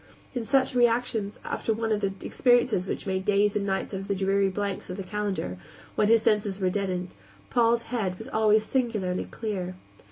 In such reactions, after one of the experiences which made days and nights out of the dreary blanks of the calendar, when his senses were deadened, Paul's head was always singularly clear.